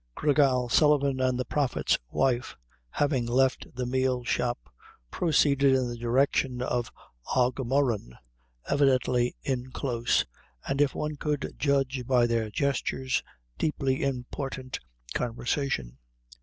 Gra Gal Sullivan and the prophet's wife, having left the meal shop, proceeded in the direction of Aughamurran, evidently in close, and if one could judge by their gestures, deeply important conversation.